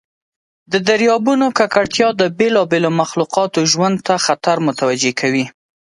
د دریابونو ککړتیا د بیلابیلو مخلوقاتو ژوند ته خطر متوجه کوي.